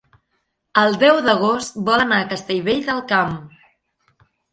El deu d'agost vol anar a Castellvell del Camp.